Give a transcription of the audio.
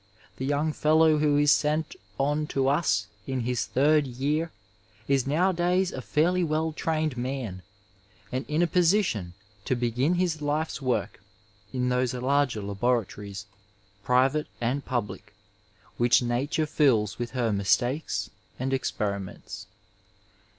The young fdlow who is sent on to us in his third year is nowadays a fairly well ^ined man and in a position to begin his life's work in those larger laboratories, private and public, which nature fills with her mistakes and experiments.